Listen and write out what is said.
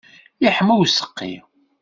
Iḥma useqqi.